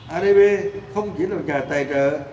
adb không chỉ là một nhà tài trợ